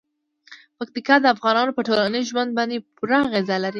پکتیکا د افغانانو په ټولنیز ژوند باندې پوره اغېز لري.